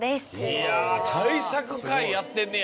いや対策会やってんねや。